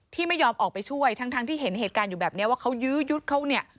ที่ไม่ยอมออกไปช่วยทั้งที่เห็นเหตุการณ์อยู่แบบนี้ว่าเขายื้อยุดเขาเนี่ย